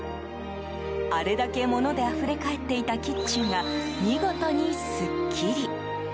あれだけ物であふれかえっていたキッチンが、見事にすっきり。